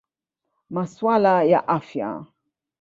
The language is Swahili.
Masuala ya Afya.